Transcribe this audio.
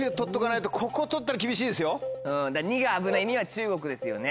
２が危ない２は中国ですよね。